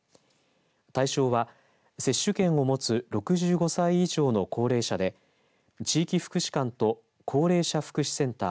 対象は接種券を持つ６５歳以上の高齢者で地域福祉館と高齢者福祉センター